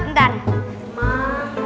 candah tanggal rati sandbox